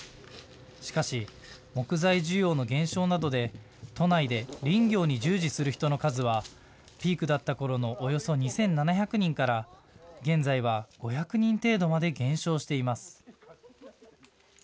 しかし、木材需要の減少などで都内で林業に従事する人の数はピークだったころのおよそ２７００人から現在は５００人程度まで減少しています。